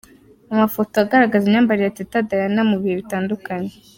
Amafoto agaragaza imyambarire ya Teta Diana mu bihe bitandukanye .